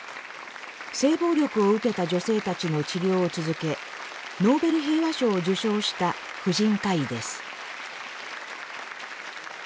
性暴力を受けた女性たちの治療を続けノーベル平和賞を受賞した婦人科医です。